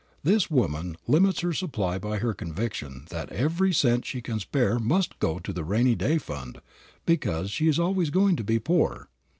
This woman limits her supply by her conviction that every cent she can spare must go to the rainy day fund because she is always going to be poor.